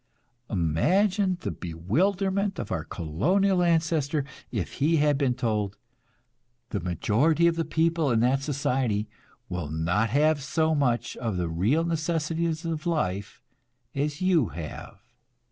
Imagine the bewilderment of our colonial ancestor if he had been told: "The majority of the people in that society will not have so much of the real necessities of life as you have.